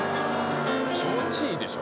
気持ちいいでしょ